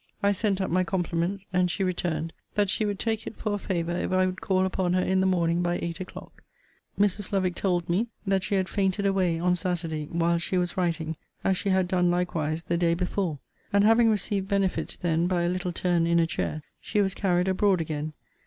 I sent up my compliments; and she returned, that she would take it for a favour if I would call upon her in the morning by eight o'clock. Mrs. Lovick told me that she had fainted away on Saturday, while she was writing, as she had done likewise the day before; and having received benefit then by a little turn in a chair, she was carried abroad again.